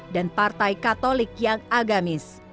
dan partai katolik yang agamis